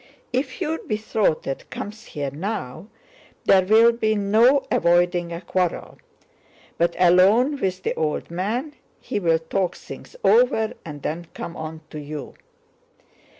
If your betrothed comes here now—there will be no avoiding a quarrel; but alone with the old man he will talk things over and then come on to you."